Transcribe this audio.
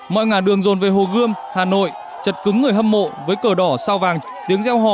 mọi ngả đường rồn về hồ gươm hà nội chật cứng người hâm mộ với cờ đỏ sao vàng tiếng reo hò